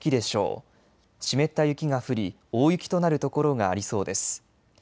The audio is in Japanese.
湿った雪が降り、大雪となる所がありそうです。